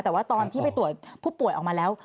แต่ว่าตอนที่ไปตรวจผู้ป่วยออกมาแล้ว